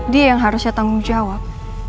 dia yang harusnya tanggung jawab